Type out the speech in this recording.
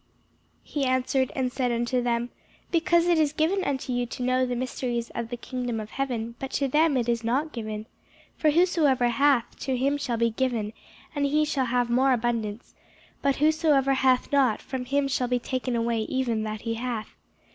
He answered and said unto them, Because it is given unto you to know the mysteries of the kingdom of heaven, but to them it is not given. For whosoever hath, to him shall be given, and he shall have more abundance: but whosoever hath not, from him shall be taken away even that he hath.